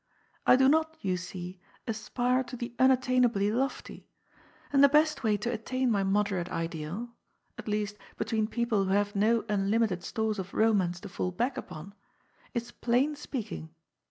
I do not, you see, aspire to the unattainably lofty. And the best way to attain my moderate ideal — at least, between people who haye no unlimited stores of romance to fall back upon — is plain speaking.